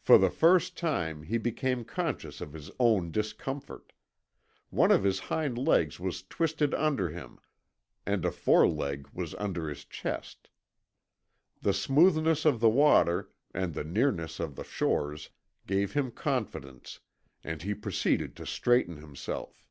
For the first time he became conscious of his own discomfort. One of his hind legs was twisted under him, and a foreleg was under his chest. The smoothness of the water and the nearness of the shores gave him confidence, and he proceeded to straighten himself.